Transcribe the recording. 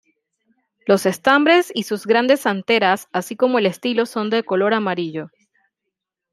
Los estambres y sus grandes anteras así como el estilo son de color amarillo.